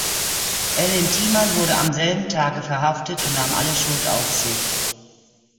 Ellen Thiemann wurde am selben Tage verhaftet und nahm alle Schuld auf sich.